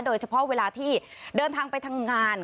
โดยเฉพาะเวลาที่เดินทางไปทำงาน